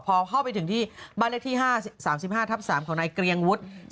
พอเข้าไปถึงที่บ้านเลขที่๓๕ทับ๓ของนายเกรียงวุฒิ